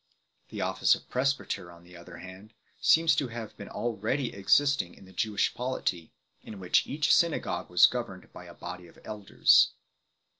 The office of Presbyter on the other hand seems to have been already existing in the Jewish polity, in which each synagogue was governed by a body of elders 7